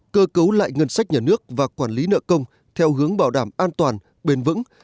cơ cấu lại ngân sách nhà nước và quản lý nợ công theo hướng bảo đảm an toàn bền vững